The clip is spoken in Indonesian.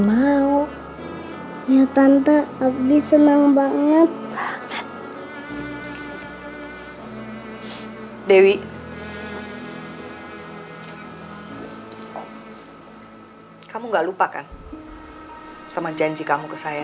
mau ya tante abis senang banget banget dewi kamu enggak lupakan sama janji kamu ke saya